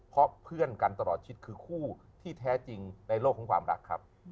เพราะเพื่อนกันตลอดชีวิตคือคู่ที่แท้จริงในโลกของความรักครับ